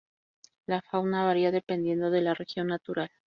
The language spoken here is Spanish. La fauna varía dependiendo de la región natural.